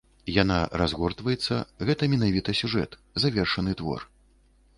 Яна разгортваецца, гэта менавіта сюжэт, завершаны твор.